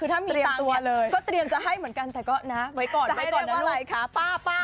ถ้ามีตังค์ก็เตรียมจะให้เหมือนกันแต่ว่าไว้ก่อนนะลูกจะให้เรียกว่าอะไรคะป้าเหรอ